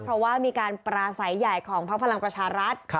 เพราะว่ามีการปราศัยใหญ่ของพักพลังประชารัฐ